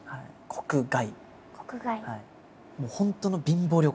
国外。